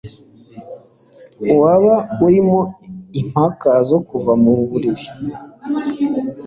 Waba urimo impaka zo kuva muburiri,